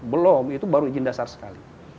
belum itu baru izin dasar sekali